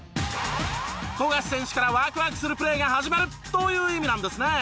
富樫選手からワクワクするプレーが始まるという意味なんですね。